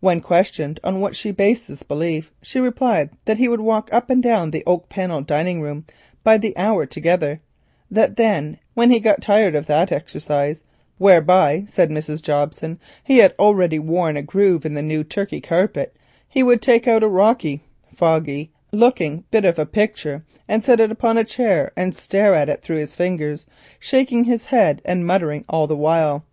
When questioned on what she based this belief, she replied that he would walk up and down the oak panelled dining room by the hour together, and then, when he got tired of that exercise, whereby, said Mrs. Jobson, he had already worn a groove in the new Turkey carpet, he would take out a "rokey" (foggy) looking bit of a picture, set it upon a chair and stare at it through his fingers, shaking his head and muttering all the while.